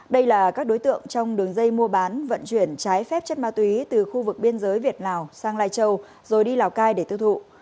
đây là các đối tượng trong đường dây mua bán vận chuyển trái phép chất ma túy từ khu vực biên giới việt lào sang lai châu rồi đi lào cai để tiêu thụ